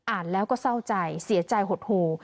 อ่านแล้วก็เศร้าใจเสียใจหดหู